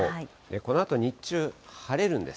このあと日中、晴れるんです。